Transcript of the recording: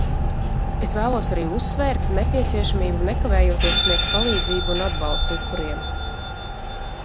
Es vēlos arī uzsvērt nepieciešamību nekavējoties sniegt palīdzību un atbalstu upuriem.